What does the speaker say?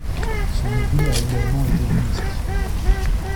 Son neveu a également été ministre.